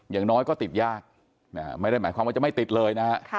อย่างน้อยก็ติดยากไม่ได้หมายความว่าจะไม่ติดเลยนะฮะ